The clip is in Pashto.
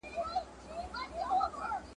د وخت پاچا حکم وکړی